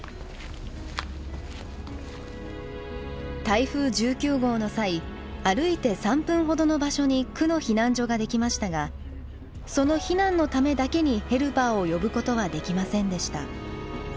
台風１９号の際歩いて３分ほどの場所に区の避難所ができましたがその避難のためだけにヘルパーを呼ぶことはできませんでした。